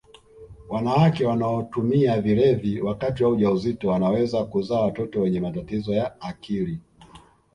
wanawake wanaotumia vilevi wakati wa ujauzito wanaweza kuzaa watoto wenye matatizo ya akili